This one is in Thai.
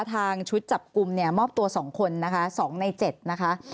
ทางชุดจับกลุ่มเนี่ยมอบตัว๒คนนะคะ๒ใน๗นะคะ